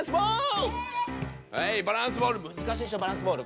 バランスボール難しいでしょバランスボール。